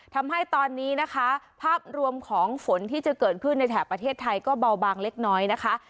ทำให้ตอนนี้นะคะภาพรวมของฝนที่จะเกิดขึ้นในแถบประเทศไทยก็เบาบางเล็กน้อยนะคะ